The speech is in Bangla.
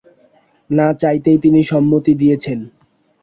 না চাইতেই তিনি সম্মতি দিয়েছেন।